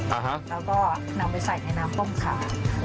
แล้วก็นำไปใส่ในน้ำต้มขา